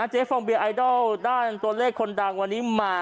ฟองเบียร์ไอดอลด้านตัวเลขคนดังวันนี้มา